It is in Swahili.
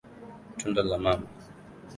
Tunda la mama.